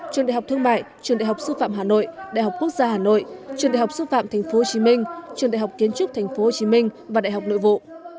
trường đại học thương mại trường đại học sư phạm hà nội đại học quốc gia hà nội trường đại học xúc phạm tp hcm trường đại học kiến trúc tp hcm và đại học nội vụ